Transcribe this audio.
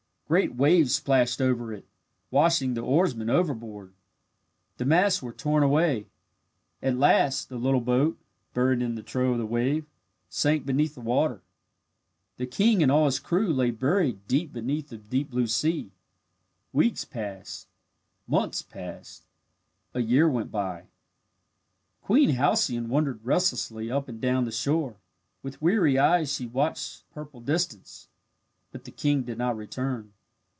Great waves splashed over it, washing the oarsmen overboard. The masts were torn away. At last the little boat, buried in the trough of the wave, sank beneath the water. The king and all his crew lay buried deep beneath the deep blue sea. Weeks passed. Months passed. A year went by. Queen Halcyone wandered restlessly up and down the shore. With weary eyes she watched the purple distance. But the king did not return.